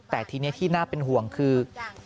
แต่ทีนี้ที่น่าเป็นห่วงคือ